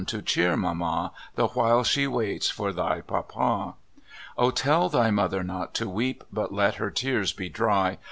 to cheer " mamma" " The while she waits " for th\ " papa." O tell thy mother not to weep, But let her tears be dry.